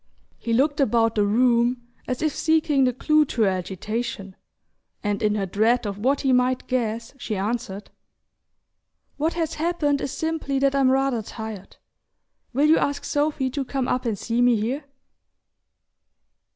He looked about the room, as if seeking the clue to her agitation, and in her dread of what he might guess she answered: "What has happened is simply that I'm rather tired. Will you ask Sophy to come up and see me here?"